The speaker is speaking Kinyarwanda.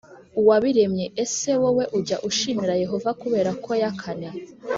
uwabiremye Ese wowe ujya ushimira Yehova kubera ko ya kane